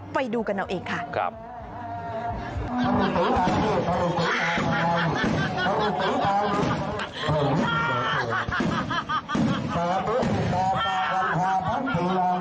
ไปดูกันเราเองค่ะครับครับ